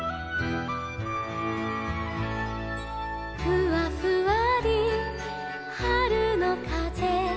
「ふわふわりはるのかぜ」